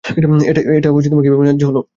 এটা কীভাবে ন্যায্য হলো?